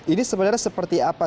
ini sebenarnya seperti apa